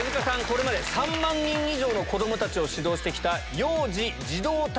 これまで３万人以上の子供たちを指導して来た。